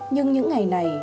nhưng những ngày này